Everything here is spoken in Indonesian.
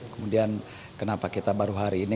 kemudian kenapa kita baru hari ini